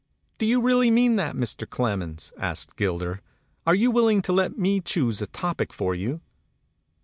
"Do you re ally mean that, Mr. Clerm asked Gilder. "Are you willing to let me choose a topic for you